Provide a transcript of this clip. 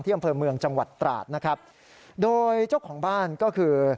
อำเภอเมืองจังหวัดตราดนะครับโดยเจ้าของบ้านก็คือ